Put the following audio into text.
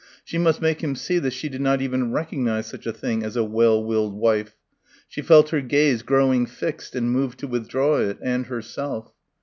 She must make him see that she did not even recognise such a thing as "a well willed wife." She felt her gaze growing fixed and moved to withdraw it and herself.